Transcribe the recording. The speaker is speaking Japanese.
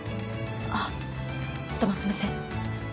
あっどうもすみません。